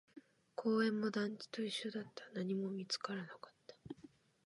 公園も団地と一緒だった、何も見つからなかった